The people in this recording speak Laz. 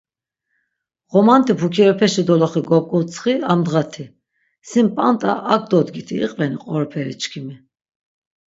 Ğomanti pukirepeşi doloxe gop̆k̆utsxi amdğati, sin p̆anda ak dodgiti iqveni qoroperi çkimi?